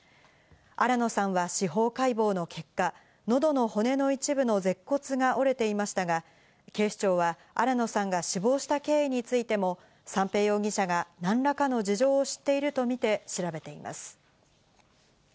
新野さんは司法解剖の結果、のどの骨の一部の舌骨が折れていましたが、警視庁は新野さんが死亡した経緯についても三瓶容疑者が何らかの事情を知っているとみて調べています。